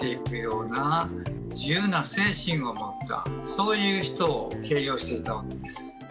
そういう人を形容していたわけです。